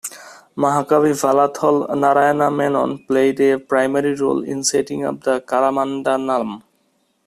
Mahakavi Vallathol Narayana Menon played a primary role in setting up the Kalamandalam.